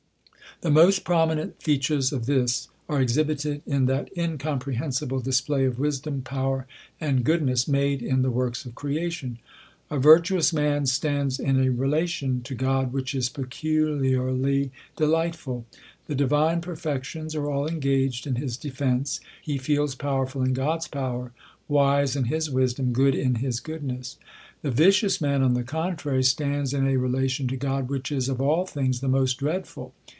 The most prominent fea tures of this are exhibited in that nicomprehensible dis play of wisdom, power, and goodness, made m the works of creation. A virtuous man stands in a rela tion to God which is peculiarly delightful. The divine perfections are all engaged in his defence. He fees powerful in God's power, wise in his wisdom, good in his goodness. , i • i The vicious man, on the contrary, stands in a rela tion to God, which is of all things the most dreadful.